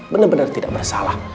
bener bener tidak bersalah